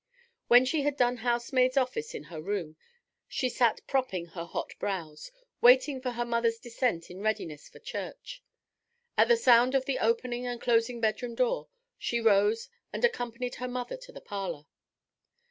When she had done housemaid's office in her room, she sat propping her hot brows, waiting for her mother's descent in readiness for church. At the sound of the opening and closing bedroom door, she rose and accompanied her mother to the parlour.